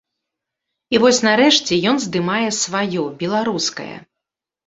І вось, нарэшце, ён здымае сваё, беларускае.